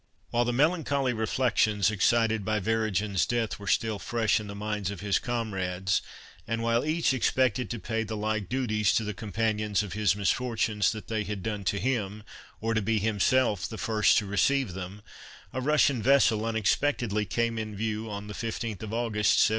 While the melancholy reflections excited by Weregin's death were still fresh in the minds of his comrades, and while each expected to pay the like duties to the companions of his misfortunes that they had done to him, or to be himself the first to receive them, a Russian vessel unexpectedly came in view on the 15th of August 1749.